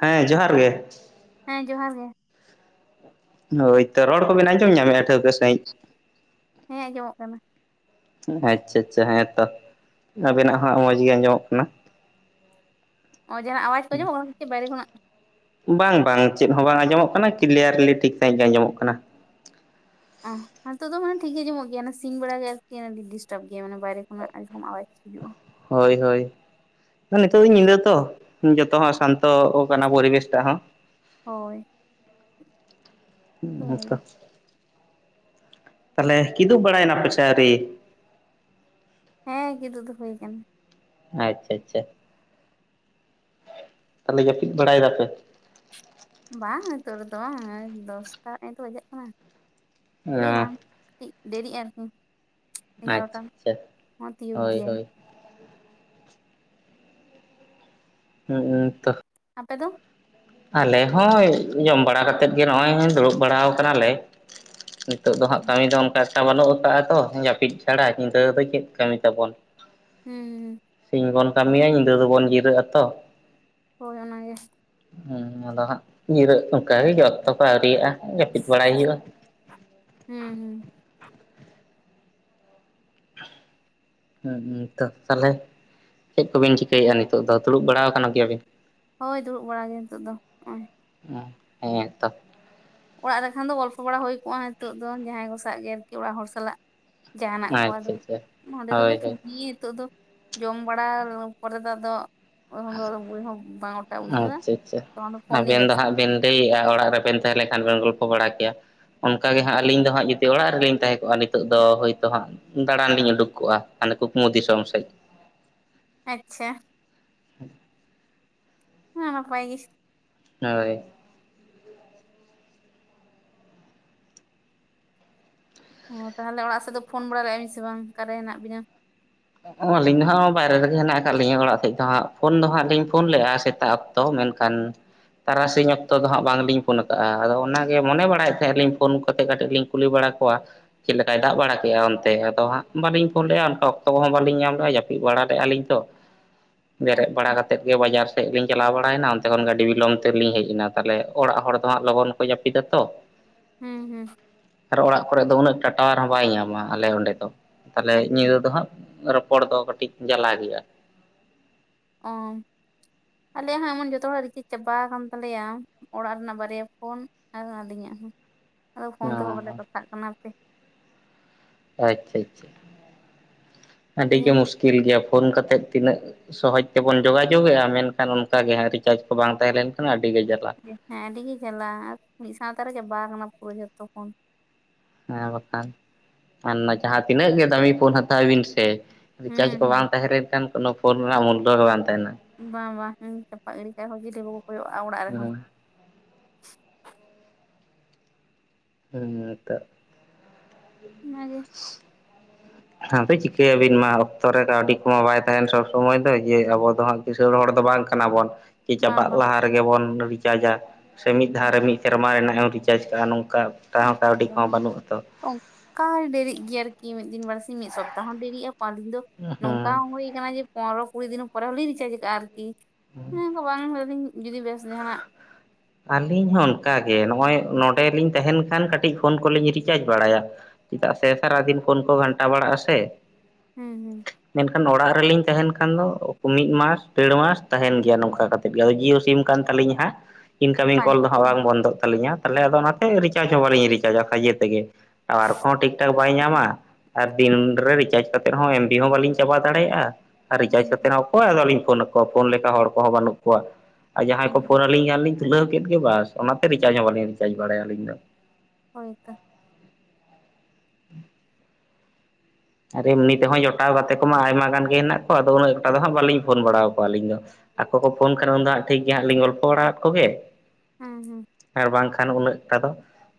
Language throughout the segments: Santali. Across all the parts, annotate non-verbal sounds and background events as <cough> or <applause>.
ᱦᱮᱸ ᱡᱚᱦᱟᱨ ᱜᱮ ᱦᱮᱸ ᱡᱚᱦᱟᱨ ᱜᱮ ᱦᱳᱭᱛᱚ ᱨᱚᱲ ᱠᱚᱵᱤᱱ ᱟᱸᱡᱚᱢ ᱧᱟᱢᱮᱫᱼᱟ ᱴᱷᱟᱹᱣᱠᱟᱹ ᱥᱟᱺᱦᱤᱡ ᱦᱮᱸ ᱟᱸᱡᱚᱢᱚᱜ ᱠᱟᱱᱟ ᱟᱪᱪᱷᱟ ᱟᱪᱪᱷᱟ ᱦᱮᱸᱛᱚ ᱟᱵᱮᱱᱟᱜ ᱦᱚᱸ ᱢᱚᱸᱡᱽ ᱜᱮ ᱟᱸᱡᱚᱢᱚᱜ ᱠᱟᱱᱟ ᱚ ᱡᱟᱦᱟᱸᱱᱟᱜ ᱟᱣᱟᱡᱽ ᱠᱚ ᱟᱢᱚᱜ ᱠᱟᱱᱟ ᱠᱤ ᱵᱟᱭᱨᱮ ᱠᱷᱚᱱᱟᱜ ᱵᱟᱝ ᱵᱟᱝ ᱪᱮᱫ ᱦᱚᱸ ᱵᱟᱝ ᱟᱸᱡᱚᱢᱚᱜ ᱠᱟᱱᱟ ᱠᱞᱤᱭᱟᱨᱞᱤ ᱴᱷᱤᱠ ᱥᱟᱺᱦᱤᱡ ᱜᱮ ᱟᱸᱡᱚᱢᱚᱜ ᱠᱟᱱᱟ ᱚ ᱦᱤᱛᱚᱜ ᱫᱚ ᱢᱟᱱᱮ ᱴᱷᱤᱠ ᱜᱮ ᱟᱡᱚᱢᱚᱜ ᱜᱮᱭᱟ ᱥᱤᱧ ᱵᱮᱲᱟ ᱜᱮ ᱟᱨᱠᱤ ᱰᱤᱥᱴᱟᱵ ᱜᱮᱭᱟ ᱢᱟᱱᱮ ᱵᱟᱭᱨᱮ ᱠᱷᱚᱱᱟᱜ ᱟᱣᱟᱡ ᱦᱤᱡᱩᱜ ᱟ ᱦᱳᱭ ᱦᱳᱭ ᱱᱤᱛᱚᱜ ᱫᱚ ᱧᱤᱫᱟᱹ ᱛᱚ ᱡᱚᱛᱚ ᱦᱚᱲ ᱥᱟᱱᱛᱚ ᱠᱟᱱᱟ ᱯᱚᱨᱤᱵᱟᱨ ᱴᱟᱜ ᱦᱚ ᱦᱳᱭ ᱛᱚ ᱛᱟᱦᱚᱞᱮ ᱠᱤᱫᱩ ᱵᱟᱲᱟᱭ ᱱᱟᱯᱮ ᱥᱮ ᱟᱹᱣᱨᱤ ᱦᱮᱸ ᱠᱤᱫᱩ ᱫᱚ ᱦᱩᱭ ᱠᱟᱱᱟ ᱟᱪᱪᱷᱟ ᱪᱟ ᱛᱟᱦᱚᱞᱮ ᱡᱟᱹᱯᱤᱫ ᱵᱟᱲᱟᱭ ᱫᱟᱯᱮ ᱵᱟᱝ ᱱᱤᱛᱳᱜ ᱨᱮᱫᱚ ᱵᱟᱝ ᱫᱚᱥᱴᱟ ᱱᱤᱛ ᱵᱟᱡᱟᱜ ᱠᱟᱱᱟ ᱱᱤᱛᱳᱜ ᱨᱮᱫᱚ ᱵᱟᱝ ᱟᱪᱪᱷᱟ ᱫᱮᱨᱤᱟᱜ ᱟᱨᱠᱤ <inaudible> ᱮᱜᱟᱨᱚᱴᱟ ᱟᱪᱪᱷᱟ ᱦᱚᱸ ᱛᱤᱭᱳᱜ ᱦᱳᱭ ᱜᱮᱭᱟ ᱦᱳᱭ ᱦᱩᱸ ᱩ ᱛᱚ᱾ ᱟᱯᱮ ᱫᱚ? ᱟᱞᱮ ᱦᱚᱸ ᱡᱚᱢ ᱵᱟᱲᱟ ᱠᱟᱛᱮᱫ ᱜᱮ ᱱᱚᱜᱼᱚᱭ ᱫᱩᱲᱩᱵ ᱵᱟᱲᱟ ᱠᱟᱱᱟᱞᱮ᱾ ᱱᱤᱛᱚᱜ ᱫᱚ ᱦᱟᱸᱜ ᱠᱟᱹᱢᱤ ᱫᱚ ᱚᱱᱠᱟ ᱮᱠᱴᱟ ᱵᱟᱹᱱᱩᱜ ᱟᱠᱟᱟᱜᱼᱟ ᱛᱚ ᱡᱟᱹᱯᱤᱫ ᱪᱷᱟᱲᱟ ᱧᱤᱫᱟᱹ ᱫᱚ ᱪᱮᱫ ᱠᱟᱹᱢᱤ ᱛᱟᱵᱚᱱ, ᱦᱩᱸ ᱦᱩᱸ ᱥᱤᱧ ᱵᱚᱱ ᱠᱟᱹᱢᱤᱭᱟ ᱧᱤᱫᱟᱹ ᱫᱚᱵᱚᱱ ᱡᱤᱨᱟᱹᱜᱼᱟ ᱛᱚ᱾ ᱦᱳᱭ ᱚᱱᱟᱜᱮ ᱦᱩ ᱟᱫᱚ ᱦᱟᱸᱜ ᱧᱤᱨᱟᱹᱜ ᱚᱱᱠᱟ ᱜᱮ ᱚᱠᱛᱚ ᱠᱚ ᱟᱹᱣᱨᱤᱭᱟᱜᱼᱟ ᱡᱟᱹᱯᱤᱫ ᱵᱟᱲᱟᱭ ᱦᱩᱭᱩᱜᱼᱟ᱾ ᱦᱩᱸ ᱦᱩᱸ᱾ ᱛᱟᱦᱞᱮ ᱪᱮᱫ ᱠᱚᱵᱤᱱ ᱪᱤᱠᱟᱹᱭᱮᱫᱼᱟ ᱱᱤᱛᱚᱜ ᱫᱚ, ᱫᱩᱲᱩᱵ ᱵᱟᱲᱟ ᱟᱠᱟᱱ ᱜᱮᱭᱟᱵᱤᱱ? ᱦᱳᱭ ᱫᱩᱲᱩᱵ ᱵᱟᱲᱟ ᱜᱮ ᱱᱤᱛᱚ ᱫᱚ ᱱᱚᱜᱼᱚᱭ, ᱩ ᱦᱮ ᱛᱚ, ᱚᱲᱟᱜ ᱨᱮᱠᱷᱟᱱ ᱫᱚ ᱜᱚᱞᱯᱚ ᱵᱟᱲᱟ ᱦᱩᱭ ᱠᱚᱜᱼᱟ ᱱᱤᱛᱚᱜ ᱫᱚ, ᱡᱟᱦᱟᱸᱭ ᱠᱚᱥᱟᱜ ᱜᱮ ᱟᱨᱠᱤ ᱚᱲᱟᱜ ᱦᱚᱲ ᱥᱟᱞᱟᱜ᱾ ᱡᱟᱦᱟᱱᱟᱜ ᱠᱚ ᱟᱪᱪᱷᱟ ᱟᱫᱚ ᱟᱪᱪᱷᱟ ᱱᱚᱸᱰᱮ ᱛᱚ ᱦᱳᱭ ᱦᱳᱭ <inaudible> ᱱᱤᱛᱚᱜ ᱫᱚ ᱡᱚᱢ ᱵᱟᱲᱟ ᱯᱚᱨᱮ ᱫᱚ ᱟᱫᱚ, ᱩᱱ ᱫᱚ ᱵᱳᱤ ᱦᱚ ᱵᱟᱝ ᱚᱴᱟ ᱵᱩᱡᱳᱟ ᱛᱚ ᱩᱱ ᱫᱚ ᱯᱷᱩᱱᱤ ᱵᱮᱥ ᱞᱟᱹᱭᱮᱟ ᱚᱲᱟᱜ ᱨᱮᱵᱮᱱ ᱛᱟᱦᱮᱸ ᱞᱮᱱᱠᱷᱟᱱ ᱵᱮᱱ ᱜᱚᱞᱯᱷᱚ ᱵᱟᱲᱟ ᱠᱮᱭᱟ, ᱚᱱᱠᱟ ᱜᱮ ᱦᱟᱸᱜ ᱟᱹᱞᱤᱧ ᱫᱚ ᱦᱟᱸᱜ ᱡᱩᱫᱤ ᱚᱲᱟᱜ ᱨᱮᱞᱤᱧ ᱛᱟᱦᱮᱸ ᱠᱚᱜᱼᱟ ᱱᱤᱛᱚᱜ ᱫᱚ ᱦᱳᱭᱛᱳ ᱦᱟᱸᱜ, ᱫᱟᱲᱟᱱ ᱞᱤᱧ ᱩᱰᱩᱠ ᱠᱚᱜᱼᱟ, ᱦᱟᱱᱮ ᱠᱩᱠᱢᱩ ᱫᱤᱥᱚᱢ ᱥᱮᱫ, ᱟᱪᱪᱷᱟ, <inaudible> ᱦᱚᱸ ᱱᱟᱯᱟᱭ ᱜᱤ, ᱦᱳᱭ, ᱚᱻᱛᱟᱦᱚᱞᱮ ᱚᱲᱟᱜ ᱥᱮᱫ ᱫᱚ ᱯᱷᱚᱱ ᱵᱟᱲᱟ ᱞᱮᱼᱟ ᱵᱤᱱ ᱥᱮ ᱵᱟᱝ ᱟᱠᱟᱨᱮ ᱦᱮᱱᱟᱜ ᱵᱤᱱᱟ? ᱚ ᱟᱹᱞᱤᱧ ᱫᱚ ᱦᱟᱸᱜ ᱵᱟᱭᱨᱮ ᱨᱮᱜᱮ ᱦᱮᱱᱟᱜ ᱟᱠᱟᱫ ᱞᱤᱧᱟᱹ ᱚᱲᱟᱜ ᱥᱮᱫ ᱫᱚ ᱦᱟᱸᱜ ᱯᱷᱳᱱ ᱫᱚ ᱦᱟᱸᱜ ᱞᱤᱧ ᱯᱷᱳᱱ ᱞᱮᱜᱼᱟ ᱥᱮᱛᱟᱜ ᱛᱚ ᱢᱮᱱᱠᱷᱟᱱ ᱛᱟᱨᱟᱥᱤᱧ ᱚᱠᱛᱚ ᱫᱚ ᱦᱟᱸᱜ ᱵᱟᱝᱞᱤᱧ ᱯᱷᱳᱱ ᱟᱠᱟᱫᱼᱟ, ᱟᱫᱚ ᱚᱱᱟᱜᱮ ᱢᱚᱱᱮ ᱵᱟᱲᱟᱭᱮᱫ ᱛᱟᱦᱮᱸᱱᱟ ᱞᱤᱧ ᱯᱷᱳᱱ ᱠᱟᱛᱮᱛ ᱠᱟᱹᱴᱤᱡ ᱞᱤᱧ ᱠᱩᱞᱤ ᱵᱟᱲᱟ ᱠᱚᱣᱟ ᱪᱮᱫ ᱞᱮᱠᱟᱭ ᱫᱟᱜ ᱵᱟᱲᱟ ᱠᱮᱼᱟ ᱚᱱᱛᱮ ᱟᱫᱚ ᱦᱟᱸᱜ ᱵᱟᱹᱞᱤᱧ ᱯᱷᱳᱱ ᱞᱮᱫᱼᱟ ᱚᱱᱟ ᱛᱚ ᱵᱟᱞᱤᱧ ᱧᱟᱢ ᱞᱮᱟ ᱡᱟᱹᱯᱤᱫ ᱵᱟᱲᱟ ᱞᱮᱫᱼᱟ ᱞᱤᱧ ᱛᱚ, ᱵᱮᱨᱮᱫ ᱵᱟᱲᱟ ᱟᱪᱪᱷᱟ ᱠᱟᱛᱮᱫ ᱜᱮ ᱵᱟᱡᱟᱨ ᱛᱮ ᱞᱤᱧ ᱪᱟᱞᱟᱣ ᱵᱟᱲᱟᱭᱮᱱᱟ ᱚᱱᱛᱮ ᱠᱷᱚᱱ ᱜᱟᱹᱰᱤ ᱵᱤᱞᱚᱝᱢ ᱛᱮᱞᱤᱧ ᱦᱮᱡ ᱮᱱᱟ, ᱛᱟᱦᱚᱞᱮ ᱚᱲᱟᱜ ᱦᱚᱲ ᱫᱚ ᱦᱟᱸᱜ ᱞᱚᱜᱚᱱ ᱠᱚ ᱡᱟᱯᱤᱫᱟ ᱛᱚ, ᱦᱩᱸ ᱦᱩᱸ ᱟᱨᱚ ᱚᱲᱟᱜ ᱠᱚᱨᱮ ᱫᱚ ᱩᱱᱟᱹᱜ ᱴᱟ ᱴᱟᱣᱟᱨ ᱦᱚᱸ ᱵᱟᱭ ᱧᱟᱢᱟ, ᱟᱞᱮ ᱚᱸᱰᱮ ᱫᱚ ᱛᱟᱦᱚᱞᱮ ᱟᱪ ᱧᱤᱫᱟᱹ ᱫᱚ ᱦᱟᱸᱜ ᱨᱚᱯᱚᱲ ᱫᱚ ᱠᱟᱹᱴᱤᱡ ᱡᱟᱞᱟ ᱜᱤᱭᱟ, ᱚᱸ ᱟᱞᱮ ᱦᱚᱸ ᱮᱢᱚᱱ ᱡᱚᱛᱚ ᱦᱚᱲᱟ ᱨᱤᱪᱮᱡ ᱪᱟᱵᱟ ᱟᱠᱟᱱ ᱛᱟᱞᱮᱭᱟ᱾ ᱚᱲᱟᱜ ᱨᱮᱱᱟᱜ ᱵᱟᱨᱭᱟ ᱯᱷᱳᱱ, ᱟᱨ ᱟᱹᱞᱤᱧᱟᱜ ᱦᱚᱸ ᱟᱫᱚ ᱯᱷᱳᱱ ᱚ ᱛᱮᱦᱚᱸ ᱵᱟᱞᱮ ᱠᱟᱛᱷᱟᱜ ᱠᱟᱱᱟ᱾ ᱦᱟᱯᱮ ᱟᱪᱪᱷᱟ, ᱟᱪᱪᱷᱟ ᱟᱹᱰᱤ ᱜᱮ ᱛᱮᱦᱮᱧ ᱢᱩᱥᱠᱤᱞ ᱜᱮᱭᱟ ᱯᱷᱳᱱ ᱠᱟᱛᱮᱜ ᱛᱤᱱᱟᱹᱜ ᱥᱚᱦᱚᱡᱽ ᱛᱮᱵᱚᱱ ᱡᱳᱜᱟᱡᱳᱜ ᱮᱼᱟ ᱢᱮᱱᱠᱷᱟᱱ ᱚᱱᱠᱟ ᱜᱮ ᱦᱟᱸᱜ ᱨᱤᱪᱟᱨᱡᱽ ᱠᱚ ᱵᱟᱝ ᱛᱟᱦᱮᱸ ᱞᱮᱱᱠᱷᱟᱱ ᱟᱹᱰᱤ ᱜᱮ ᱡᱟᱞᱟ᱾ ᱦᱮᱸ ᱟᱹᱰᱤᱜᱮ ᱪᱟᱞᱟᱜ ᱟᱨ ᱢᱤᱫ ᱥᱟᱶᱛᱮ ᱨᱮ ᱪᱟᱵᱟ ᱟᱠᱟᱱᱟ ᱯᱩᱨᱟᱹ ᱡᱚᱛᱚ ᱠᱷᱳᱱ᱾ ᱦᱮᱸ ᱵᱟᱠᱷᱟᱱ, ᱟᱱ ᱡᱟᱦᱟᱸ ᱛᱤᱱᱟᱹᱜ ᱜᱮ ᱫᱟᱹᱢᱤ ᱯᱷᱳᱱ ᱦᱟᱛᱟᱣ ᱵᱤᱱ ᱥᱮ, ᱨᱤᱪᱟᱨᱡᱽ ᱦᱩᱸ ᱠᱚ ᱦᱩᱸ ᱵᱟᱝ ᱛᱟᱦᱮᱸ ᱞᱮᱱᱠᱷᱟᱱ ᱠᱳᱱᱳ ᱯᱷᱳᱱ ᱨᱮᱱᱟᱜ ᱢᱩᱞᱚ ᱜᱮ ᱵᱟᱝ ᱛᱟᱦᱮᱱᱟ᱾ ᱵᱟᱝ ᱵᱟᱝ ᱦᱸ ᱪᱟᱯᱟ ᱜᱤᱰᱤ ᱠᱷᱟᱡ ᱪᱤᱞᱤ ᱦᱚᱸ ᱵᱟᱠᱚ ᱠᱚᱭᱚᱜᱼᱟ ᱚᱲᱟᱜ ᱨᱮᱦᱚᱸ, ᱦᱮᱸ <inaudible> ᱚᱱᱟ ᱜᱮ᱾ ᱟᱛᱚ ᱪᱤᱠᱟᱹ ᱭᱟᱵᱤᱱ ᱢᱟ ᱚᱠᱛᱚ ᱨᱮ ᱠᱟᱹᱣᱰᱤ ᱠᱚᱸᱦᱚ ᱵᱟᱭ ᱛᱟᱦᱮᱱ ᱥᱚᱵᱽ ᱥᱚᱢᱚᱭ ᱫᱚ ᱡᱮ ᱟᱵᱚ ᱫᱚ ᱦᱟᱸᱜ ᱠᱤᱥᱟᱹᱬ ᱦᱚᱲ ᱫᱚ ᱵᱟᱝ ᱠᱟᱱᱟ ᱵᱚᱱ ᱾ ᱠᱮ ᱵᱟᱝ ᱪᱟᱵᱟᱜ ᱵᱟᱝ ᱞᱟᱦᱟ ᱨᱮᱜᱮ ᱵᱚᱱ ᱨᱤᱪᱟᱨᱡᱟ ᱥᱮ ᱢᱤᱫ ᱫᱷᱟᱣ ᱨᱮ ᱢᱤᱫ ᱥᱮᱨᱢᱟ ᱨᱮᱱᱟᱜ ᱨᱤᱪᱼᱼ ᱟᱡᱠᱟ ᱱᱚᱝᱠᱟᱼᱼ ᱱᱤᱛᱟᱨ ᱫᱚ ᱵᱟᱱᱩᱜᱼᱟ ᱾ ᱚᱱᱠᱟ ᱰᱮᱨᱤᱜ ᱜᱤᱭᱟ ᱟᱨᱠᱤ ᱢᱤᱫ ᱫᱤᱱ ᱵᱟᱨᱥᱤᱢ ᱢᱤᱫ ᱥᱚᱯᱛᱟᱦ ᱦᱚᱸ ᱰᱮᱨᱤᱜᱼᱟ ᱯᱟᱸᱪ ᱫᱤᱱ ᱫᱚᱼᱼ ᱱᱚᱝᱠᱟ ᱦᱮᱸ ᱦᱚᱸ ᱦᱩᱭᱟᱠᱟᱱᱟ ᱡᱮ ᱯᱚᱱᱨᱚ ᱠᱩᱲᱤ ᱫᱤᱱ ᱯᱚᱨᱮ ᱦᱚᱞᱤᱧ ᱨᱤᱪᱟᱨᱡᱽ ᱠᱟᱜ ᱟᱨ ᱾ ᱠᱤ ᱤᱱᱟᱹ ᱫᱚ ᱵᱟᱝ ᱫᱤᱧ ᱡᱩᱫᱤ ᱵᱮᱥ ᱡᱟᱦᱟᱸ ᱱᱟᱜᱼᱼ ᱟᱞᱤᱧ ᱦᱚᱸ ᱚᱱᱠᱟᱜᱮ ᱱᱚᱜᱼᱚᱭ ᱱᱚᱰᱮ ᱞᱤᱧ ᱛᱟᱦᱮᱱ ᱠᱷᱟᱱ ᱠᱟᱹᱴᱤᱡ ᱯᱷᱳᱱ ᱠᱚᱞᱤᱧ ᱨᱤᱪᱟᱨᱡᱽ ᱵᱟᱲᱟᱭᱟ ᱾ ᱪᱮᱫᱟᱜ ᱥᱮ ᱥᱟᱨᱟ ᱫᱤᱱ ᱯᱷᱳᱱ ᱠᱚ ᱜᱷᱟᱱᱴᱟ ᱵᱟᱲᱟᱜᱼᱟ ᱥᱮ ᱾ ᱦᱩᱸ ᱦᱩᱸ ᱾ ᱢᱮᱱᱠᱷᱟᱱ ᱱᱚᱲᱟᱜ ᱨᱮᱞᱤᱧ ᱛᱟᱦᱮᱱ ᱠᱷᱟᱱ ᱫᱚ ᱢᱤᱫ ᱢᱟᱥ ᱰᱮᱲ ᱢᱟᱥ ᱛᱟᱦᱮᱱ ᱜᱮᱭᱟ ᱱᱚᱝᱠᱟ ᱠᱟᱛᱼᱼ ᱡᱚ ᱡᱤᱭᱳ ᱥᱤᱢ ᱠᱟᱱ ᱛᱟᱹᱞᱤᱧ ᱦᱟᱸᱜᱼᱼ ᱤᱱᱠᱟᱢᱤᱝ ᱠᱚᱞ ᱫᱚ ᱦᱟᱸᱜ ᱵᱟᱝ ᱵᱚᱱᱫᱚᱜ ᱛᱟᱹᱞᱤᱧᱟ ᱛᱟᱦᱚᱞᱮ ᱟᱫᱚ ᱚᱱᱟᱛᱮ ᱨᱤᱪᱟᱨᱡᱽ ᱦᱚᱸ ᱵᱟᱞᱤᱧ ᱨᱤᱪᱟᱨᱡᱟ ᱠᱷᱟᱡᱮ ᱛᱮᱜᱮ ᱾ ᱴᱟᱣᱟᱨ ᱠᱚᱦᱚᱸ ᱴᱷᱤᱠ ᱴᱷᱟᱠ ᱵᱟᱭ ᱧᱟᱢᱟ ᱾ ᱟᱨ ᱫᱤᱱ ᱨᱮ ᱨᱤᱪᱟᱨᱡᱽ ᱠᱟᱛᱮᱫ ᱦᱚᱸ ᱮᱢ ᱵᱤ ᱦᱚᱸ ᱵᱟᱞᱤᱧ ᱪᱟᱵᱟ ᱫᱟᱲᱮᱭᱟᱜᱼᱟ, ᱟᱨ ᱨᱤᱪᱟᱨᱡᱽ ᱦᱮᱸ ᱠᱟᱛᱮ ᱦᱚᱸᱼᱼ ᱚᱠᱚᱭ ᱟᱫᱚᱞᱤᱧ ᱯᱷᱳᱱ ᱱᱟᱠᱚᱣᱟ ᱯᱷᱳᱱ ᱞᱮᱠᱟ ᱦᱚᱲ ᱠᱚᱦᱚᱸ ᱵᱟᱹᱱᱩᱜ ᱠᱚᱣᱟ ᱟᱨ ᱡᱟᱦᱟᱸᱭ ᱦᱮᱸ ᱠᱚ ᱯᱷᱳᱱ ᱱᱟᱹᱞᱤᱧ ᱠᱷᱟᱱᱞᱤᱧᱼᱼ ᱠᱷᱩᱞᱟᱹᱣ ᱠᱮᱫ ᱜᱮ ᱵᱟᱥ ᱚᱱᱟᱛᱮ ᱨᱤᱪᱟᱨᱡᱽ ᱦᱚᱸ ᱵᱟᱞᱤᱧ ᱨᱤᱪᱟᱨᱡᱽ ᱵᱟᱲᱟᱭᱟ ᱟᱹᱞᱤᱧ ᱫᱚ ᱾ ᱦᱚᱭ ᱚᱝᱠᱟ ᱾ <inaudible> ᱟᱨ ᱮᱢᱱᱤ ᱛᱮᱦᱚᱸᱭ ᱡᱚᱴᱟᱣ ᱜᱟᱛᱮ ᱠᱚᱢᱟ ᱟᱭᱢᱟ ᱜᱟᱱ ᱜᱮ ᱦᱮᱱᱟᱜ ᱠᱚᱣᱟ ᱟᱫᱚ ᱩᱱᱟᱹᱜ ᱜᱚᱴᱟ ᱫᱚ ᱦᱟᱸᱜ ᱵᱟᱹᱞᱤᱧ ᱯᱷᱳᱱ ᱵᱟᱲᱟᱣ ᱠᱚᱣᱟ ᱟᱹᱞᱤᱧ ᱫᱚ ᱾ ᱟᱠᱚ ᱠᱚ ᱯᱷᱳᱱ ᱠᱷᱟᱱ ᱩᱱ ᱫᱚ ᱦᱟᱸᱜ ᱴᱷᱤᱠ ᱜᱮ ᱦᱟᱸᱜ ᱞᱤᱧ ᱜᱚᱞᱯᱷᱚ ᱵᱟᱲᱟᱣᱟᱜ ᱠᱚᱜᱮ ᱾ ᱦᱩᱸ ᱦᱩᱸ ᱾ ᱟᱨ ᱵᱟᱝᱠᱷᱟᱱ ᱩᱱᱟᱹᱜᱴᱟ ᱫᱚ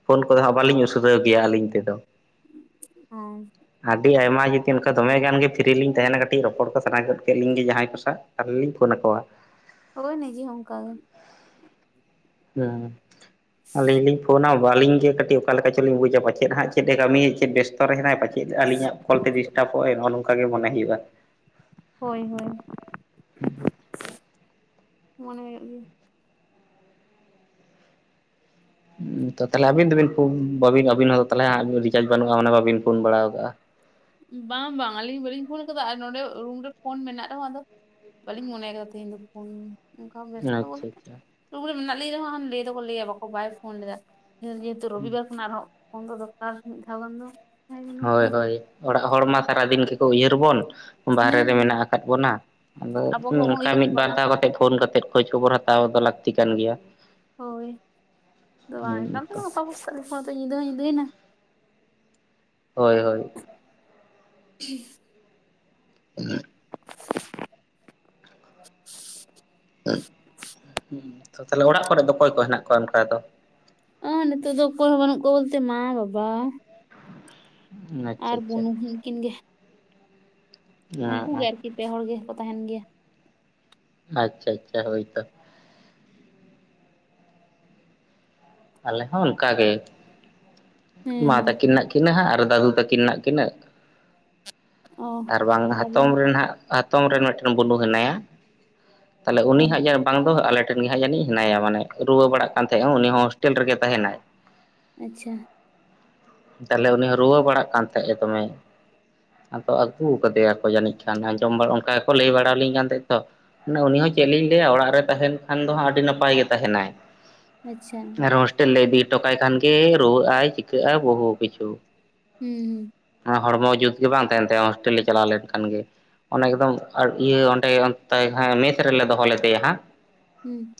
ᱯᱷᱳᱱ ᱠᱚᱫᱚ ᱦᱟᱸᱜ ᱵᱟᱞᱤᱧ ᱩᱥᱚᱫᱟᱹᱣ ᱜᱮᱭᱟ ᱟᱹᱞᱤᱧ ᱛᱮᱫᱚ ᱾ ᱦᱟᱸᱜ ᱾ ᱟᱹᱰᱤ ᱟᱭᱢᱟ ᱡᱩᱫᱤ ᱚᱱᱠᱟ ᱫᱚᱢᱮ ᱜᱟᱱ ᱜᱮ ᱯᱷᱤᱨᱤ ᱞᱤᱧ ᱛᱟᱦᱮᱱᱟ ᱠᱟᱹᱴᱤᱡ ᱨᱚᱯᱚᱲ ᱠᱚ ᱥᱟᱱᱟ ᱜᱚᱫ ᱠᱮᱫ ᱞᱤᱧ ᱜᱮ ᱡᱟᱦᱟᱸᱭ ᱠᱚ ᱥᱟᱶᱟᱣ ᱾ ᱟᱨ ᱞᱤᱧ ᱯᱷᱳᱱ ᱟᱠᱚᱣᱟ ᱾ ᱳᱭ ᱱᱤᱡᱮ ᱦᱚᱸ ᱚᱱᱠᱟ ᱜᱮ ᱾ ᱦᱮᱸ ᱟᱞᱤᱧ ᱞᱤ ᱯᱷᱳᱱᱟᱢ ᱾ ᱟᱞᱤᱧ ᱜᱮ ᱠᱟᱹᱴᱤᱡ ᱚᱠᱟ ᱞᱮᱠᱟ ᱪᱚᱞᱤᱧ ᱵᱩᱡᱟ ᱯᱟᱪᱮᱫ ᱦᱟᱸᱜ ᱪᱮᱫ ᱮ ᱠᱟᱢᱤᱭᱮᱜ ᱪᱮᱫ ᱵᱮᱥᱛᱚ ᱨᱮ ᱦᱮᱱᱟᱭ ᱯᱟᱪᱮᱫ ᱟᱞᱤᱧᱟᱜ ᱾ ᱠᱚᱞ ᱛᱮ ᱰᱤᱥᱴᱟᱵᱚᱜᱼᱟᱭ ᱱᱚᱝᱠᱟ ᱜᱮ ᱢᱚᱱᱮᱭ ᱦᱩᱭᱩᱜᱼᱟ ᱾ ᱦᱳᱭ ᱦᱳᱭ ᱢᱚᱱᱮ ᱦᱩᱭᱩᱜ ᱜᱮᱭᱟ ᱾ ᱛᱚ ᱛᱟᱦᱚᱞᱮ ᱟᱵᱤᱱ ᱫᱚᱵᱤᱱ ᱯᱷᱚ ᱟᱵᱤᱱ ᱦᱚᱵᱤᱱ ᱛᱟᱦᱚᱞᱮ ᱨᱤᱪᱨᱟᱡᱽ ᱵᱟᱱᱩᱜᱼᱟ ᱚᱱᱟ ᱵᱟᱵᱤᱱ ᱯᱷᱳᱱ ᱵᱟᱲᱟᱣ ᱠᱟᱜᱼᱟ ᱾ ᱵᱟᱝ ᱵᱟᱝ ᱟᱞᱤᱧ ᱵᱟᱞᱤᱧ ᱯᱷᱳᱱ ᱠᱟᱫᱟ, ᱟᱨ ᱱᱚᱰᱮ ᱨᱩᱢ ᱨᱮ ᱯᱷᱳᱱ ᱢᱮᱱᱟᱜ ᱨᱮᱸᱦᱚᱸ ᱟᱫᱚᱼᱼ ᱵᱟᱞᱤᱧ ᱢᱚᱱᱮ ᱠᱟᱫᱟ ᱛᱮᱦᱮᱧ ᱫᱚ ᱯᱷᱳᱱ ᱾ ᱚᱱᱠᱟ ᱵᱮᱥᱛᱚ ᱟᱪᱪᱷᱟ ᱟᱪᱪᱷᱟ ᱫᱩᱠ ᱨᱮ ᱢᱮᱱᱟᱜ ᱞᱤᱧ ᱨᱮᱸᱦᱚᱸ ᱞᱟᱹᱭ ᱫᱚᱠᱚ ᱞᱟᱹᱭᱟ ᱵᱟᱠᱚ ᱵᱟᱭ ᱯᱷᱳᱱ ᱞᱮᱫᱟ ᱾ ᱨᱚᱵᱤᱵᱟᱨ ᱠᱷᱱᱟᱜ ᱟᱨ ᱦᱚᱸ ᱯᱷᱳᱱ ᱫᱚᱨᱠᱟᱨ ᱢᱤᱫ ᱫᱷᱟᱣ ᱜᱟᱱ ᱫᱚ ᱾ ᱦᱚᱭ ᱦᱚᱭ ᱚᱲᱟᱜ ᱦᱚᱲ ᱢᱟ ᱥᱟᱨᱟ ᱫᱤᱱ ᱜᱮᱠᱚ ᱩᱭᱦᱟᱹᱨ ᱵᱚᱱ ᱾ ᱵᱟᱦᱮᱨᱮ ᱦᱩᱸ ᱨᱮ ᱢᱮᱱᱟᱜ ᱠᱟᱜ ᱵᱚᱱᱟ, ᱟᱫᱚ ᱟᱵᱚ ᱠᱚ ᱵᱟᱵᱚᱱ ᱚᱱᱠᱟ ᱩᱭᱦᱟᱹᱨ ᱢᱤᱫ ᱠᱚᱣᱟ ᱵᱟᱨ ᱚᱱᱟ ᱫᱷᱟᱣ ᱠᱟᱛᱮ ᱯᱷᱳᱱ ᱠᱟᱛᱮ ᱠᱷᱳᱡ ᱠᱷᱚᱵᱚᱨ ᱦᱟᱛᱼᱼ ᱦᱟᱛᱟᱣ ᱫᱚ ᱞᱟᱠᱛᱤ ᱠᱟᱱ ᱜᱮᱭᱟ ᱾ ᱦᱚᱭ, ᱟᱫᱚ ᱵᱟᱝ ᱦᱩᱸ ᱮᱠᱟᱞ ᱛᱮ ᱛᱚ ᱜᱟᱯᱟ ᱥᱤᱛᱟᱜ ᱧᱤᱫᱟᱹ ᱦᱚ ᱧᱤᱫᱟᱹᱭ ᱱᱟ ᱾ ᱦᱚᱭ ᱦᱚᱭ ᱾ ᱩᱸᱦᱦ ᱾ <unintelligible> ᱚᱱᱟ ᱼᱼ ᱦ <unintelligible> ᱛᱟᱦᱞᱮ ᱚᱲᱟᱜ ᱠᱚᱨᱮ ᱫᱚ ᱚᱠᱚᱭ ᱠᱚ ᱦᱮᱱᱟᱜ ᱠᱚᱣᱟ ᱚᱱᱠᱟ ᱫᱚ? ᱚ ᱱᱤᱛᱚᱜ ᱫᱚ ᱚᱠᱚᱭ ᱦᱚᱸ ᱵᱟᱹᱱᱩᱜ ᱠᱚ ᱵᱳᱞᱛᱮ ᱢᱟ ᱵᱟᱵᱟ ᱾ ᱟᱪᱪᱷᱟ ᱟᱨ ᱟᱪᱪᱷᱟ ᱵᱩᱱᱩ ᱩᱱᱠᱤᱱ ᱜᱮ ᱾ ᱚ ᱩᱱᱠᱩ ᱜᱮ ᱟᱨᱠᱤ ᱯᱮ ᱦᱚᱲ ᱜᱮ ᱠᱚ ᱛᱟᱦᱮᱱ ᱜᱮᱭᱟ ᱾ ᱟᱪᱪᱷᱟ ᱟᱪᱪᱷᱟ ᱦᱳᱭ ᱛᱚ ᱾ ᱟᱞᱮ ᱦᱚᱸ ᱚᱱᱠᱟᱜ ᱜᱮ ᱦᱮᱸ ᱢᱟ ᱦᱮᱸ ᱛᱟᱹᱠᱤᱱ ᱢᱮᱱᱟᱜ ᱤᱱᱟᱹᱦᱟᱜ ᱟᱨ ᱫᱟᱹᱫᱩ ᱛᱟᱠᱤᱱ ᱦᱮᱱᱟᱜ ᱠᱤᱱᱟ ᱚ ᱟᱨ ᱵᱟᱝ ᱦᱟᱛᱚᱢ ᱨᱮᱱᱟᱜ ᱦᱟᱛᱚᱢ ᱨᱮᱱ ᱢᱤᱫᱴᱮᱱ ᱵᱩᱱᱩ ᱦᱮᱱᱟᱭᱟ ᱛᱟᱦᱚᱞᱮ ᱚ ᱩᱱᱤ ᱦᱟᱸᱜ ᱡᱮ ᱵᱟᱝ ᱫᱚ ᱟᱞᱮ ᱴᱷᱮᱱ ᱜᱮ ᱦᱟᱸᱜ ᱡᱟᱹᱱᱤᱡ ᱦᱮᱱᱟᱭᱟ ᱢᱟᱱᱮ ᱨᱩᱣᱟᱹ ᱵᱟᱲᱟᱜ ᱠᱟᱱ ᱛᱟᱸᱦᱮᱸᱜᱼᱟ ᱩᱱᱤ ᱦᱚᱸ ᱦᱳᱥᱴᱮᱞ ᱨᱮᱜᱮ ᱛᱟᱸᱦᱮᱱᱟᱭ ᱾ ᱟᱪᱪᱷᱟ ᱾ ᱛᱟᱦᱞᱮ ᱩᱱᱤ ᱦᱚᱸ ᱨᱩᱣᱟᱹ ᱵᱟᱲᱟᱜ ᱠᱟᱱ ᱛᱟᱦᱮᱸᱜ ᱮ ᱫᱚᱢᱮ ᱾ ᱟᱫᱚ ᱟᱹᱜᱩ ᱠᱟᱫᱮᱭᱟᱠᱚ ᱡᱟᱹᱱᱤᱡ ᱠᱷᱟᱱ ᱟᱸᱡᱚᱢ ᱵᱟ ᱚᱱᱠᱟ ᱜᱮᱠᱚ ᱞᱮᱭ ᱵᱟᱲᱟᱞᱤᱧ ᱠᱟᱱ ᱛᱟᱸᱦᱮᱸᱜ ᱛᱚ ᱾ ᱢᱟᱱᱮ ᱩᱱᱤ ᱦᱚᱸ ᱪᱮᱫ ᱞᱤᱧ ᱞᱮᱭᱟ ᱚᱲᱟᱜ ᱨᱮ ᱛᱟᱦᱮᱱ ᱠᱷᱟᱱ ᱫᱚ ᱦᱟᱸᱜ ᱟᱹᱰᱤ ᱱᱟᱯᱟᱭ ᱜᱮ ᱛᱟᱸᱦᱮᱱᱟᱭ ᱾ ᱟᱪᱪᱷᱟ ᱾ ᱦᱳᱥᱴᱮᱞ ᱞᱮ ᱤᱫᱤ ᱦᱚᱴᱚ ᱠᱟᱭ ᱠᱷᱟᱱ ᱜᱮ ᱨᱩᱣᱟᱹᱜ ᱟᱭ ᱪᱤᱠᱟᱹᱜᱼᱟ ᱵᱚᱦᱩ ᱠᱤᱪᱷᱩ ᱾ ᱦᱩᱸ ᱾ ᱟ ᱦᱚᱲᱢᱚ ᱡᱩᱛ ᱜᱮ ᱵᱟᱝ ᱛᱟᱸᱦᱮᱱ ᱛᱟᱭᱟ ᱦᱳᱥᱴᱮᱞ ᱞᱮ ᱪᱟᱞᱟᱣ ᱞᱮᱱᱠᱷᱟᱱ ᱜᱮ ᱾ ᱚᱱᱮ ᱮᱠᱫᱚᱢ ᱤᱭᱟᱹ ᱚᱸᱱᱰᱮ ᱚᱱᱛᱮ ᱦᱮ ᱢᱮᱥ ᱨᱮᱞᱮ ᱫᱚᱦᱚ ᱞᱮᱫᱮᱭᱟ ᱦᱟᱸᱜ᱾ ᱦᱩᱸ᱾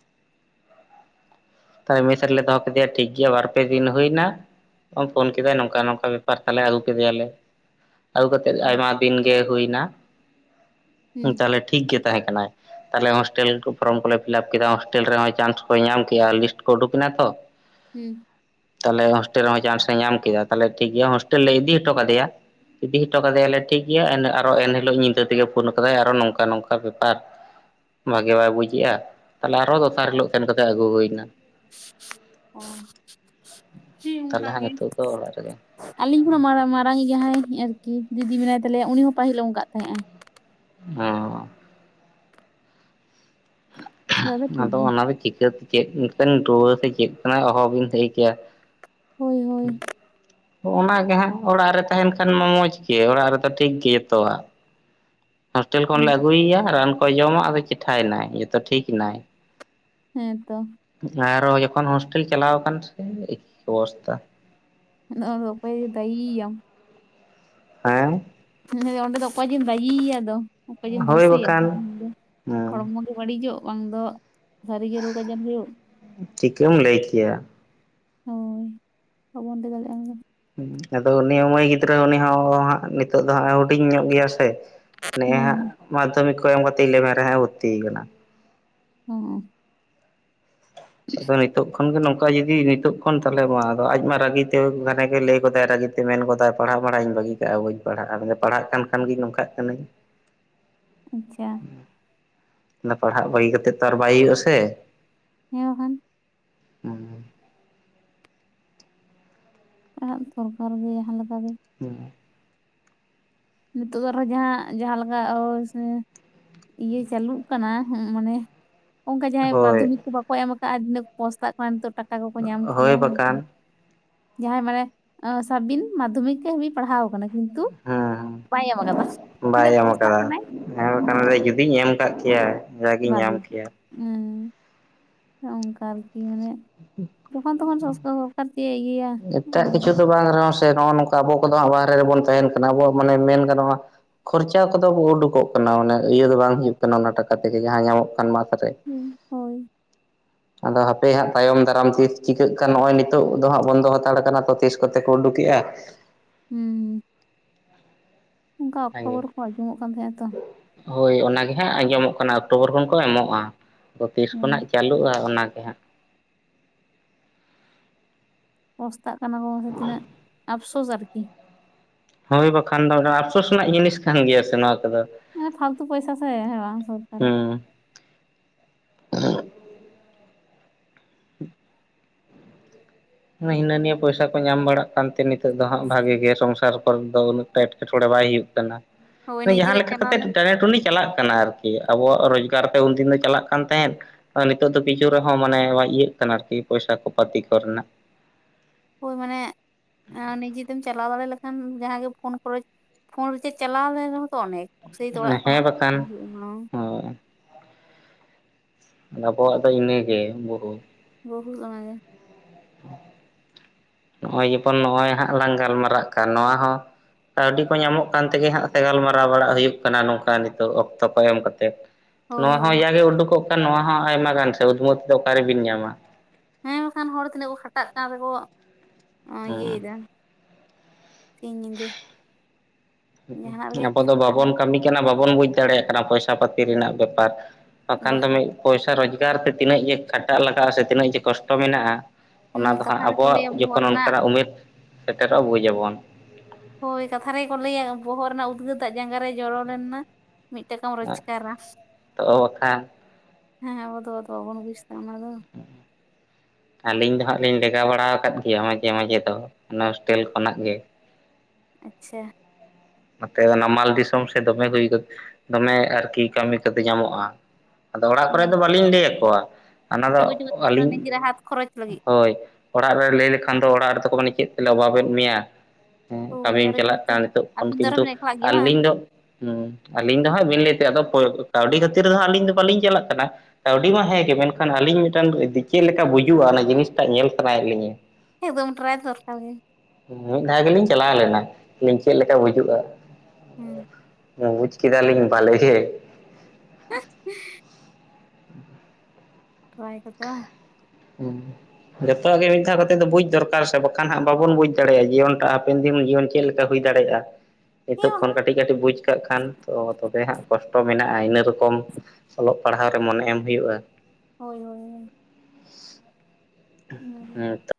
ᱛᱟᱦᱚᱞᱮ ᱢᱮᱥ ᱨᱮᱞᱮ ᱫᱚᱦᱚ ᱠᱮᱫᱮᱭᱟ ᱴᱷᱤᱠ ᱜᱮᱭᱟ ᱵᱟᱨ ᱯᱮ ᱫᱤᱱ ᱦᱳᱭᱱᱟ ᱾ ᱯᱷᱳᱱ ᱠᱮᱫᱟᱭ ᱱᱚᱝᱠᱟ ᱱᱚᱝᱠᱟ ᱵᱮᱯᱟᱨ ᱛᱟᱦᱚᱞᱮ ᱟᱹᱜᱩ ᱠᱮᱫᱮᱭᱟᱞᱮ ᱾ ᱟᱹᱜᱩ ᱠᱟᱛᱮᱜ ᱟᱭᱢᱟ ᱫᱤᱱ ᱜᱮ ᱦᱩᱭᱱᱟ ᱦᱩᱸ ᱦᱩᱸ ᱛᱟᱦᱚᱞᱮ ᱴᱷᱤ ᱴᱷᱤᱠ ᱜᱮ ᱛᱟᱸᱦᱮᱸ ᱠᱟᱱᱟᱭ ᱛᱟᱦᱚᱞᱮ ᱦᱳᱥᱴᱮᱞ ᱯᱷᱨᱚᱢ ᱠᱚᱞᱮ ᱯᱷᱤᱞᱟᱯ ᱠᱮᱫᱟ ᱦᱳᱥᱴᱮᱞ ᱨᱮᱸᱦᱚᱸ ᱪᱟᱱᱥ ᱠᱚ ᱧᱟᱢ ᱠᱮᱜᱼᱟ ᱞᱤᱥᱴ ᱠᱚᱰᱳᱜ ᱱᱟᱛᱚ ᱾ ᱦᱩᱸ᱾ ᱛᱟᱦᱞᱮ ᱦᱳᱴᱮᱞ ᱨᱮᱸᱦᱚᱸ ᱪᱟᱱᱥ ᱮ ᱧᱟᱢ ᱠᱮᱫᱟ ᱛᱟᱦᱞᱮ ᱴᱷᱤᱠ ᱜᱮᱭᱟ ᱦᱳᱥᱴᱮᱞ ᱞᱮ ᱤᱫᱤ ᱦᱚᱴᱚ ᱠᱟᱫᱮᱭᱟ ᱾ ᱤᱫᱤ ᱦᱚᱴᱚ ᱠᱟᱫᱮᱭᱟᱞᱮ ᱴᱷᱤᱠ ᱜᱮᱭᱟ ᱮᱱ ᱟᱨ ᱮᱱᱦᱤᱞᱳᱜ ᱧᱤᱫᱟᱹ ᱛᱮᱜᱮ ᱯᱷᱳᱱ ᱠᱟᱫᱟᱭ ᱟᱨᱚᱦᱚ ᱱᱚᱝᱠᱟ ᱱᱚᱝᱠᱟ ᱵᱮᱯᱟᱨ ᱾ ᱵᱷᱟᱜᱮ ᱵᱟᱭ ᱵᱩᱡᱮᱜᱼᱟ ᱛᱟᱦᱚᱞᱮ ᱟᱨᱦᱚ ᱫᱚᱥᱟᱨ ᱦᱤᱞᱳᱜ ᱥᱮᱱ ᱠᱟᱛᱮ ᱟᱹᱜᱩ ᱦᱩᱭᱱᱟ᱾ ᱚ᱾ ᱦᱮᱸ ᱛᱟᱦᱚᱞᱮ ᱚᱱᱠᱟ ᱦᱟᱸᱜ ᱜᱮ ᱱᱤᱛᱳᱜ ᱫᱚ ᱚᱲᱟᱜ ᱨᱮᱜᱮ᱾ ᱟᱹᱞᱤᱧ ᱦᱚᱸ ᱢᱟᱨᱟ ᱢᱟᱨᱟᱝ ᱡᱟᱦᱟᱸᱭ ᱟᱨᱠᱤ ᱫᱤᱫᱤ ᱢᱮᱱᱟᱭ ᱛᱟᱞᱮᱭᱟ ᱩᱱᱤ ᱦᱚᱸ ᱯᱟᱹᱦᱤᱞ ᱮ ᱚᱱᱠᱟᱜ ᱛᱟᱦᱮᱸᱜᱼᱮ᱾ ᱦᱚ᱾ ᱴᱷᱤᱠ ᱟᱫᱚ ᱜᱮᱭᱟ ᱚᱱᱟᱫᱚ ᱪᱤᱠᱟᱹᱛᱮ ᱪᱮᱫ ᱞᱮᱠᱟᱱ ᱨᱩᱣᱟᱹ ᱥᱮ ᱪᱮᱫ ᱠᱟᱱᱟ ᱦ ᱚᱦᱚ ᱵᱤᱱ ᱞᱟᱹᱭ ᱠᱮᱭᱟ᱾ ᱦᱳᱭ ᱦᱳᱭ <unintelligible> ᱚᱱᱟ ᱜᱮ ᱦᱟᱸᱜ ᱚᱲᱟᱜ ᱨᱮ ᱛᱟᱦᱮᱱ ᱠᱷᱟᱱ ᱢᱟ ᱢᱚᱡᱽ ᱜᱮ ᱚᱲᱟᱜ ᱨᱮᱫᱚ ᱴᱷᱤᱠ ᱜᱮ ᱡᱚᱛᱚᱣᱟᱜ᱾ ᱦᱳᱥᱴᱮᱞ ᱠᱷᱚᱱ ᱞᱮ ᱟᱹᱜᱩᱭᱮᱭᱟ ᱨᱟᱱ ᱠᱚᱭ ᱡᱚᱢᱟ ᱟᱫᱚ ᱪᱴᱷᱟᱭᱱᱟᱭ ᱡᱚᱛᱚ ᱴᱷᱤᱠ ᱮᱱᱟᱭ᱾ ᱦᱮᱸ ᱛᱚ᱾ ᱟᱨᱚ ᱡᱚᱠᱷᱚᱱ ᱦᱳᱥᱴᱮᱞ ᱪᱟᱞᱟᱣ ᱠᱟᱱ ᱥᱮ ᱮᱠ ᱚᱵᱚᱥᱛᱟ᱾ ᱟᱫᱚ ᱚᱠᱚᱭ ᱡᱮ ᱫᱟᱭᱤᱭ ᱭᱟᱢ᱾ ᱦᱮᱸ ᱦᱮᱸ ᱚᱸᱰᱮ ᱫᱚ ᱚᱠᱚᱭ ᱡᱮᱢ ᱫᱟᱭᱤᱭ ᱭᱟ ᱫᱚ ᱚᱠᱚᱭ ᱡᱮᱢ ᱦᱳᱭ ᱫᱳᱥᱮᱭᱟ ᱵᱟᱠᱷᱟᱱ ᱦᱮᱸ ᱦᱚᱲᱢᱚ ᱵᱟᱹᱲᱤᱡᱚᱜ ᱵᱟᱝ ᱫᱚ ᱥᱟᱹᱨᱤᱜᱮ ᱨᱳᱜᱽ ᱟᱡᱟᱨ ᱦᱩᱭᱩᱜ᱾ ᱪᱤᱠᱟᱹᱢ ᱞᱟᱹᱭ ᱠᱮᱭᱟ ᱦᱳᱭ ᱵᱟᱵᱚᱱ ᱛᱮ ᱫᱟᱲᱮᱭᱟᱜᱼᱟ ᱟᱱᱟ ᱫᱚ᱾ ᱟᱫᱚ ᱩᱱᱤ ᱢᱟᱹᱭ ᱜᱤᱫᱽᱨᱟᱹ ᱩᱱᱤ ᱦᱚᱸ ᱦᱟᱸᱜ ᱱᱤᱛᱚᱜ ᱫᱚ ᱦᱟᱸᱜ ᱦᱩ ᱰᱤᱧ ᱧᱚᱜ ᱜᱮᱭᱟ ᱥᱮ ᱱᱮᱜ ᱮ ᱦᱟᱸᱜ ᱦᱮᱸ ᱢᱟᱫᱽᱫᱷᱚᱢᱤᱠ ᱠᱚ ᱮᱢ ᱠᱟᱛᱮ ᱤᱞᱮᱵᱷᱮᱱ ᱨᱮ ᱦᱟᱸᱜ ᱮ ᱵᱷᱚᱨᱛᱤᱭ ᱟᱠᱟᱱᱟ᱾ ᱚ ᱟᱫᱚ ᱱᱤᱛᱚᱜ ᱠᱷᱚᱱᱜᱮ ᱱᱚᱝᱠᱟ ᱡᱩᱫᱤ ᱱᱤᱛᱳᱜ ᱠᱷᱚᱱ ᱛᱟᱦᱚᱞᱮ ᱢᱟ ᱟᱫᱚ ᱟᱡ ᱢᱟ ᱨᱟᱹᱜᱤ ᱛᱮ ᱜᱷᱟᱱᱮ ᱜᱮ ᱞᱟᱹᱭ ᱜᱚᱫᱟᱭ ᱨᱟᱹᱜᱤ ᱛᱮ ᱢᱮᱱ ᱜᱚᱫᱟᱭ ᱯᱟᱲᱦᱟᱜ ᱢᱟᱲᱦᱟᱜ ᱤᱧ ᱵᱟᱹᱜᱤ ᱠᱟᱜ ᱵᱟᱹᱧ ᱯᱟᱲᱦᱟᱜ-ᱟ <unintelligible> ᱯᱟᱲᱦᱟᱜ ᱠᱟᱱ ᱠᱷᱟᱱ ᱜᱤᱧ ᱱᱚᱝᱠᱟᱜ ᱠᱟᱱᱤᱧ ᱟᱪᱪᱷᱟ ᱯᱟᱲᱦᱟᱜ ᱵᱟᱹᱜᱤ ᱠᱟᱛᱮᱫ ᱛᱚ ᱟᱨ ᱵᱟᱭ ᱦᱩᱭᱩᱜ-ᱟ ᱥᱮ ᱦᱮᱸ ᱵᱟᱠᱷᱟᱱ ᱯᱟᱲᱦᱟᱜ ᱫᱚᱨᱠᱟᱨ ᱜᱮᱭᱟ ᱡᱟᱦᱟᱸ ᱞᱮᱠᱟ ᱜᱮ ᱦᱩᱸ ᱱᱤᱛᱚᱜ ᱫᱚ ᱟᱨᱦᱚᱸ ᱡᱟᱦᱟᱸ ᱡᱟᱦᱟᱸ ᱞᱮᱠᱟ ᱳᱭ ᱥᱮ ᱤᱭᱟᱹ ᱪᱟᱹᱞᱩᱜ ᱠᱟᱱᱟ ᱦᱩᱸ ᱢᱟᱱᱮ ᱚᱱᱠᱟ ᱡᱟᱦᱟᱸᱭ ᱦᱳᱭ ᱢᱟᱫᱽᱫᱷᱚᱢᱤᱠ ᱠᱚ ᱵᱟᱠᱚ ᱮᱢ ᱠᱟᱜ-ᱟ ᱱᱟ. ᱯᱚᱥᱛᱟᱜ ᱠᱟᱱ ᱱᱤᱛᱚᱜ ᱴᱟᱠᱟ ᱠᱚᱠᱚ ᱧᱟᱢ ᱦᱳᱭ ᱠᱮᱭᱟ ᱦᱮᱸ ᱵᱟᱠᱷᱟᱱ ᱡᱟᱦᱟᱸᱭ ᱢᱟᱱᱮ ᱥᱟᱵ ᱵᱤᱱ ᱢᱟᱫᱽᱫᱷᱚᱢᱤᱠ ᱦᱟᱹᱵᱤᱡ ᱯᱟᱲᱦᱟᱣ ᱟᱠᱟᱱᱟ ᱠᱤᱱᱛᱩ ᱦᱮᱸ ᱵᱟᱭ ᱮᱢ ᱟᱠᱟᱫᱟ ᱵᱟᱭ ᱛᱤᱱᱟᱹᱜ ᱧᱟᱢ ᱯᱚᱥᱛᱟᱜ ᱠᱟᱫᱟ ᱠᱟᱱᱟᱭ ᱦᱮᱸ ᱵᱟᱠᱷᱟᱱ ᱫᱚᱭ ᱡᱩᱫᱤᱧ ᱧᱟᱢ ᱠᱟᱜ ᱠᱮᱭᱟ ᱡᱟᱜᱤᱧ ᱧᱟᱢ ᱵᱟᱹᱜᱤ ᱜᱮ ᱠᱮᱭᱟ ᱦᱩᱸ ᱚᱱᱠᱟ ᱟᱨᱠᱤ ᱢᱟᱱᱮ ᱡᱚᱠᱷᱚᱱ ᱛᱚᱠᱷᱚᱱ ᱥᱚᱥᱠᱟᱨ ᱡᱮ ᱤᱭᱟ. ᱭᱟ ᱮᱴᱟᱜ ᱠᱤᱪᱷᱩ ᱫᱚ ᱵᱟᱝ ᱨᱮᱦᱚᱸ ᱥᱮ ᱱᱚᱜ-ᱚ ᱱᱚᱝᱠᱟ ᱟᱵᱚ ᱠᱚᱫᱚ ᱦᱟᱸᱜ ᱵᱟᱦᱨᱮ ᱨᱮᱵᱚᱱ ᱛᱟᱦᱮᱱ ᱠᱟᱱᱟ ᱟᱵᱚᱣᱟᱜ ᱢᱟᱱᱮ ᱢᱮᱱ ᱜᱟᱱᱚᱜ-ᱟ ᱠᱷᱚᱨᱪᱟ ᱠᱚᱫᱚ ᱩᱰᱩᱠᱚᱜ ᱠᱟᱱᱟ ᱢᱟᱱᱮ ᱤᱭᱟᱹ ᱫᱚ ᱵᱟᱝ ᱦᱩᱭᱩᱜ ᱠᱟᱱᱟ ᱚᱱᱟ ᱴᱟᱠᱟ ᱛᱮᱜᱮ ᱡᱟᱦᱟᱸ ᱧᱟᱢᱚᱜ ᱠᱟᱱ ᱢᱟᱥ ᱨᱮ ᱦᱩᱸ ᱦᱳᱭ ᱟᱫᱚ ᱦᱟᱯᱮ ᱦᱟᱸᱜ ᱛᱟᱭᱚᱢ ᱫᱟᱨᱟᱢ ᱛᱤᱥ ᱪᱤᱠᱟᱹᱜ ᱠᱟᱱ ᱱᱚᱜ-ᱚᱭ ᱱᱤᱛᱚᱜ ᱫᱚ ᱦᱟᱸᱜ ᱵᱚᱱᱫᱚ ᱦᱟᱛᱟᱲ ᱠᱟᱱᱟ ᱛᱚ ᱛᱤᱥ ᱠᱚᱛᱮ ᱠᱚ ᱩᱰᱩᱠ ᱠᱮᱜ-ᱟ ᱦᱩᱸ ᱚᱱᱠᱟ ᱚᱠᱴᱳᱵᱚᱨ ᱠᱚ ᱟᱸᱡᱚᱢᱚᱜ ᱠᱟᱱ ᱛᱟᱦᱮᱸᱜ-ᱟ ᱛᱚ ᱦᱳᱭ ᱚᱱᱟᱜ ᱜᱮ ᱦᱟᱸᱜ ᱟᱸᱡᱚᱢᱚᱜ ᱠᱟᱱᱟ ᱚᱠᱴᱳᱵᱚᱨ ᱠᱷᱚᱱ ᱠᱚ ᱮᱢᱚᱜ-ᱟ ᱫᱚ ᱛᱤᱥ ᱦᱮᱸ ᱠᱷᱚᱱᱟᱜ ᱪᱟᱹᱞᱩᱜ-ᱟ ᱚᱱᱟᱜᱮ ᱦᱟᱸᱜ ᱯᱚᱥᱛᱟᱜ ᱠᱟᱱᱟ ᱠᱚ ᱢᱟᱥᱮ ᱛᱤᱱᱟᱹᱜ ᱟᱯᱥᱳᱥ ᱟᱨᱠᱤ ᱦᱳᱭ ᱵᱟᱠᱷᱟᱱ ᱫᱚ ᱚᱱᱟ ᱟᱯᱥᱳᱥ ᱨᱮᱱᱟᱜ ᱡᱤᱱᱤᱥ ᱠᱟᱱ ᱜᱮᱭᱟ ᱥᱮ ᱱᱚᱣᱟ ᱠᱚᱫᱚ ᱯᱷᱟᱞᱛᱩ ᱯᱚᱭᱥᱟ ᱥᱮ ᱦᱮᱸ ᱵᱟᱝ ᱥᱚᱨᱠᱟᱨ ᱟᱜ ᱦᱩᱸ <inaudible> ᱦᱤᱱᱟᱹ ᱱᱤᱭᱟᱹ ᱯᱚᱭᱥᱟ ᱠᱚ ᱧᱟᱢ ᱵᱟᱲᱟᱜ ᱠᱟᱱᱛᱮ ᱱᱤᱛᱚᱜ ᱫᱚ ᱦᱟᱸᱜ ᱵᱷᱟᱜᱮ ᱜᱮᱭᱟ ᱥᱚᱝᱥᱟᱨ ᱠᱚᱨᱮ ᱫᱚ ᱩᱱᱟᱹᱜ ᱮᱴᱠᱮᱴᱚᱲᱮ ᱵᱟᱭ ᱦᱩᱭᱩᱜ ᱠᱟᱱᱟ ᱦᱳᱭ ᱛᱚ ᱡᱟᱦᱟᱸ ᱱᱤᱡᱮᱨᱟᱜ ᱞᱮᱠᱟ ᱪᱟᱞᱟᱣ ᱠᱟᱛᱮᱫ ᱞᱮᱱ ᱴᱮᱱᱮ ᱴᱩᱱ ᱪᱟᱞᱟᱜ ᱠᱟᱱᱟ ᱟᱨᱠᱤ ᱟᱵᱚᱣᱟᱜ ᱨᱳᱡᱽᱜᱟᱨ ᱛᱮ ᱩᱱᱫᱤᱱ ᱫᱚ ᱪᱟᱞᱟᱜ ᱠᱟᱱ ᱛᱟᱦᱮᱸᱫ ᱱᱤᱛᱚᱜ ᱫᱚ ᱠᱤᱪᱷᱩ ᱨᱮᱦᱚᱸ ᱢᱟᱱᱮ ᱤᱭᱟᱹᱜ ᱠᱟᱱᱟ ᱟᱨᱠᱤ ᱯᱚᱭᱥᱟ ᱠᱚ ᱯᱟᱹᱛᱤ ᱠᱚ ᱨᱮᱱᱟᱜ ᱦᱳᱭ ᱢᱟᱱᱮ ᱟᱨ ᱱᱤᱡᱮ ᱛᱮᱢ ᱪᱟᱞᱟᱣ ᱫᱟᱲᱮ ᱞᱮᱠᱷᱟᱱ ᱡᱟᱦᱟᱸ ᱜᱮ ᱯᱷᱳᱱ ᱠᱚᱨᱮ ᱯᱷᱳᱱ ᱨᱮ ᱨᱤᱪᱟᱨᱡ ᱪᱟᱞᱟᱣ ᱞᱮᱱ ᱨᱮᱦᱚᱸ ᱛᱚ ᱚᱱᱮᱠ ᱥᱮᱭ ᱛᱚ ᱚᱲᱟᱜ ᱠᱷᱚᱱᱟᱜ ᱦᱮᱸ ᱵᱟᱠᱷᱟᱱ <unintelligible> ᱦᱳᱭ ᱟᱵᱚᱣᱟᱜ ᱫᱚ ᱤᱱᱟᱹᱜᱮ ᱵᱩᱦᱩ ᱵᱚᱦᱩᱛ ᱚᱱᱟ ᱜᱮ ᱱᱚᱜᱼᱚᱭ ᱡᱚᱠᱷᱚᱱ ᱱᱚᱜᱼᱚᱭ ᱦᱟᱸᱜ ᱞᱟᱝ ᱜᱟᱞᱢᱟᱨᱟᱜ ᱠᱟᱱ ᱱᱚᱣᱟ ᱦᱚᱸ ᱠᱟᱹᱣᱰᱤ ᱠᱚ ᱧᱟᱢᱚᱜ ᱠᱟᱱ ᱛᱮᱜᱮ ᱦᱟᱸᱜ ᱥᱮ ᱜᱟᱞᱢᱟᱨᱟᱣ ᱵᱟᱲᱟᱜ ᱦᱩᱭᱩᱜ ᱠᱟᱱᱟ ᱱᱚᱝᱠᱟ ᱱᱤᱛᱚᱜ ᱚᱠᱛᱚ ᱠᱚ ᱮᱢ ᱠᱟᱛᱮᱫ ᱦᱳᱭ ᱱᱚᱣᱟ ᱦᱚᱸ ᱦᱳᱭ ᱡᱟ ᱜᱮ ᱩᱰᱩᱠᱚᱜ ᱠᱟᱱ ᱱᱚᱣᱟ ᱦᱚᱸ ᱟᱭᱢᱟ ᱜᱟᱱ ᱥᱮ ᱩᱫᱷᱢᱟᱹ ᱛᱮ ᱫᱚ ᱚᱠᱟᱨᱮᱵᱤᱱ ᱧᱟᱢᱟ ᱦᱮᱸ ᱵᱟᱠᱷᱟᱱ ᱦᱚᱲ ᱛᱤᱱᱟᱹᱜ ᱠᱚ ᱠᱷᱟᱴᱟᱜ ᱠᱟᱱ ᱨᱮᱠᱚ ᱤᱭᱟᱹᱭᱮᱫᱟ ᱦᱮᱸ ᱥᱤᱧ ᱧᱤᱫᱟᱹ ᱡᱟᱦᱟᱱᱟᱜ ᱨᱮᱜᱮ ᱟᱵᱚ ᱟᱨᱠᱤ ᱫᱚ ᱠᱷᱟᱴᱟᱜ ᱵᱟᱵᱚᱱ ᱦᱩᱭᱩᱜ ᱠᱟᱹᱢᱤ ᱵᱟᱵᱚᱱ ᱵᱩᱡᱽ ᱫᱟᱲᱮᱭᱟᱜ ᱠᱟᱱᱟ ᱯᱚᱭᱥᱟ ᱯᱟᱛᱤ ᱨᱮᱱᱟᱜ ᱵᱮᱯᱟᱨ ᱵᱟᱠᱷᱟᱱ ᱵᱟ ᱫᱚ ᱢᱤᱫ ᱯᱚᱭᱥᱟ ᱨᱳᱡᱽᱜᱟᱨ ᱛᱮ ᱛᱤᱱᱟᱹᱜ ᱡᱮ ᱠᱷᱟᱴᱟᱜ ᱞᱟᱜᱟᱜᱼᱟ ᱥᱮ ᱛᱤᱱᱟᱹᱜ ᱡᱮ ᱠᱚᱥᱴᱚ ᱢᱮᱱᱟᱜᱼᱟ ᱦᱩᱸ ᱚᱱᱟ ᱫᱚ ᱦᱟᱸᱜ ᱠᱟᱛᱷᱟ ᱨᱮᱠᱚ ᱟᱵᱚᱣᱟᱜ ᱞᱟᱹᱭᱟ ᱵᱚᱦᱚᱜ ᱡᱚᱠᱷᱚᱱ ᱨᱮᱱᱟᱜ ᱚᱱᱠᱟᱱᱟᱜ ᱩᱢᱮᱨ ᱥᱮᱴᱮᱨᱚᱜᱼᱟ ᱵᱩᱡ ᱟᱵᱚᱱ ᱦᱳᱭ ᱠᱟᱛᱷᱟ ᱨᱮᱜᱮ ᱠᱚ ᱞᱟᱹᱭᱟ ᱵᱚᱦᱚᱜ ᱨᱮᱱᱟᱜ ᱩᱫᱽᱜᱟᱹᱨ ᱫᱟᱜ ᱡᱟᱸᱜᱟ ᱨᱮ ᱡᱚᱨᱚ ᱞᱮᱱ ᱱᱟ ᱢᱤᱫᱴᱟᱠᱟᱢ ᱨᱳᱡᱽᱠᱟᱨᱟ ᱛᱚ ᱵᱟᱠᱷᱟᱱ ᱦᱮᱸ ᱟᱵᱚ ᱫᱚ ᱟᱫᱚ ᱵᱟᱵᱚᱱ ᱵᱩᱡ ᱫᱟ ᱚᱱᱟ ᱫᱚ ᱟᱹᱞᱤᱧ ᱫᱚ ᱦᱟᱸᱜ ᱞᱤᱧ ᱞᱮᱜᱟ ᱵᱟᱲᱟ ᱟᱠᱟᱫ ᱜᱮᱭᱟ ᱢᱟᱡᱷᱮ ᱢᱟᱡᱷᱮ ᱫᱚ ᱚᱱᱟ ᱦᱳᱥᱴᱮᱞ ᱠᱷᱚᱱᱟᱜ ᱜᱮ᱾ ᱟᱪᱪᱷᱟ ᱱᱚᱛᱮ ᱱᱟᱢᱟᱞ ᱫᱤᱥᱚᱢ ᱥᱮᱫ ᱫᱚᱢᱮ ᱦᱩᱭ ᱫᱚᱢᱮ ᱟᱨᱠᱤ ᱠᱟᱹᱢᱤ ᱠᱚᱫᱚ ᱧᱟᱢᱚᱜᱼᱟ ᱟᱫᱚ ᱚᱲᱟᱜ ᱠᱚ ᱦᱮᱸ ᱨᱮ ᱫᱚ ᱵᱟᱹᱞᱤᱧ ᱞᱟᱹᱭ ᱟᱠᱚᱣᱟ ᱚᱱᱟ ᱫᱚ ᱪᱚᱜᱚᱡ ᱪᱚᱜᱚᱡ ᱠᱟᱱᱟ ᱟᱹᱞᱤᱧ ᱱᱤᱡᱮᱨᱟᱜ ᱦᱟᱛ ᱠᱷᱚᱨᱚᱪ ᱞᱟᱹᱜᱤᱫ ᱦᱳᱭ ᱚᱲᱟᱜ ᱨᱮ ᱞᱟᱹᱭ ᱞᱮᱠᱷᱟᱱ ᱫᱚ ᱚᱲᱟᱜ ᱨᱮᱫᱚ ᱠᱚ ᱢᱮᱱᱟ ᱪᱮᱫ ᱛᱮᱞᱮ ᱚᱵᱷᱟᱵᱮᱫ ᱢᱮᱭᱟ᱾ ᱦᱩᱸ ᱦᱳᱭ ᱠᱟᱹᱢᱤᱢ ᱟᱨ ᱪᱟᱞᱟᱜ ᱡᱮᱦᱮᱛᱩ ᱠᱟᱱᱟ ᱱᱤᱛᱚᱜ ᱠᱷᱚᱱ ᱟᱹᱵᱤᱱ ᱫᱚ ᱟᱨᱦᱚᱸ ᱠᱤᱱᱛᱩ ᱵᱤᱱ ᱮᱠᱞᱟᱜ ᱜᱮᱭᱟ ᱵᱟᱝ ᱟᱹᱞᱤᱧ ᱫᱚ ᱦᱩᱸ ᱟᱞᱤᱧ ᱫᱚ ᱦᱟᱸᱜ ᱵᱤᱱ ᱞᱟᱹᱭ ᱛᱮ ᱟᱫᱚ ᱯᱚᱭ ᱠᱟᱹᱣᱰᱤ ᱠᱷᱟᱹᱛᱤᱨ ᱨᱮ ᱦᱟᱸᱜ ᱟᱹᱞᱤᱧ ᱫᱚ ᱵᱟᱹᱞᱤᱧ ᱪᱟᱞᱟᱜ ᱠᱟᱱᱟ᱾ ᱠᱟᱹᱣᱰᱤ ᱢᱟ ᱦᱮᱸ ᱜᱮ ᱢᱮᱱᱠᱷᱟᱱ ᱟᱹᱞᱤᱧ ᱢᱤᱫᱴᱟᱱ ᱪᱮᱫ ᱞᱮᱠᱟ ᱵᱩᱡᱩᱜᱼᱟ ᱚᱱᱟ ᱡᱤᱱᱤᱥ ᱴᱟᱜ ᱧᱮᱞ ᱥᱟᱱᱟᱭᱮᱫ ᱞᱤᱧᱟᱹ᱾ ᱮᱠᱫᱚᱢ ᱴᱨᱟᱭ ᱫᱚᱨᱠᱟᱨ ᱜᱮ ᱢᱤᱫ ᱫᱷᱟᱣ ᱜᱮᱞᱤᱧ ᱪᱟᱞᱟᱣ ᱞᱮᱱᱟ ᱢᱮᱱᱫᱤᱧ ᱪᱮᱫ ᱞᱮᱠᱟ ᱵᱩᱡᱩᱜᱼᱟ ᱦᱩᱸ ᱦᱩᱸ ᱵᱩᱡ ᱠᱮᱫᱟᱞᱤᱧ ᱵᱟᱞᱮᱜᱮ <unintelligible> ᱴᱨᱟᱭ ᱠᱚᱛᱮ ᱵᱟᱝ ᱦᱩᱸ ᱡᱚᱛᱚ ᱜᱮ ᱢᱤᱫ ᱫᱷᱟᱣ ᱠᱟᱛᱮᱫ ᱫᱚ ᱵᱩᱡᱽ ᱫᱚᱨᱠᱟᱨ ᱥᱮ ᱵᱟᱠᱷᱟᱱ ᱦᱟᱸᱜ ᱵᱟᱵᱚᱱ ᱵᱩᱡᱽ ᱫᱟᱲᱮᱭᱟᱜᱼᱟ ᱡᱤᱭᱚᱱ ᱴᱟᱜ ᱦᱟᱯᱮᱱ ᱫᱤᱱ ᱡᱤᱭᱚᱱ ᱪᱮᱫ ᱞᱮᱠᱟ ᱦᱩᱭ ᱫᱟᱲᱮᱭᱟᱜᱼᱟ ᱦᱮᱸ ᱱᱤᱛᱚᱜ ᱠᱷᱚᱱ ᱵᱟᱝ ᱠᱟᱹᱴᱤᱡ ᱠᱟᱹᱴᱤᱡ ᱵᱩᱡᱽ ᱠᱟᱜ ᱠᱷᱟᱱ ᱛᱚ ᱛᱚᱵᱮ ᱦᱟᱸᱜ ᱠᱚᱥᱴᱚ ᱢᱮᱱᱟᱜᱼᱟ ᱤᱱᱟᱹ ᱨᱚᱠᱚᱢ ᱚᱞᱚᱜ ᱯᱟᱲᱦᱟᱣ ᱨᱮ ᱢᱚᱱᱮ ᱮᱢ ᱦᱩᱭᱩᱜᱼᱟ ᱦᱳᱭ ᱦᱳᱭ ᱦᱳᱭ ᱚᱱᱟᱜᱮ ᱦᱮᱸ ᱛᱚ